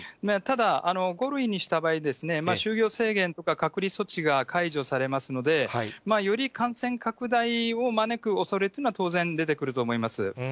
ただ、５類にした場合、就業制限とか、隔離措置が解除されますので、より感染拡大を招くおそれというのは、当然出てくると思います。